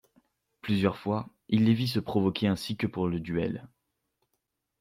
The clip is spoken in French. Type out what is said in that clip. Plusieurs fois, il les vit se provoquer ainsi que pour le duel.